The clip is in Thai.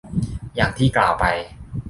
อย่างที่กล่าวไป